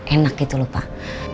enak gitu lho pak